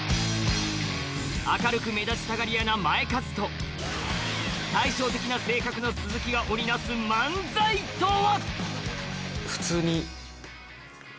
明るく目立ちたがり屋のまえかずと対照的な性格の鈴木が織り成す漫才とは。